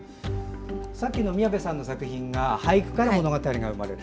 さっきの宮部さんの作品は俳句から物語が生まれる。